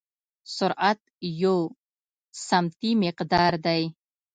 سرعت یو سمتي مقدار دی.